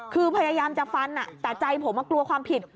คือพยายามจะฟันแต่ใจผมกลัวความผิด